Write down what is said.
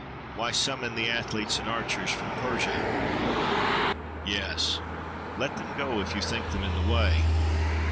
Why summon the athletes, and archers from Persia? —Yes! let them go, if you think them in the way.